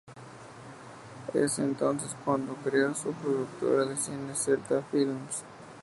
Es entonces cuando crea su productora de cine, Celta Films.